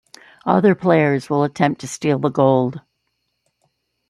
Other players will attempt to steal the gold.